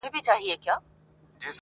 څڼور له ټولو څخه ورک دی